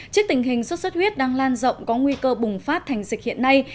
trước tình hình sốt sốt huyết đang lan rộng có nguy cơ bùng phát thành dịch hiện nay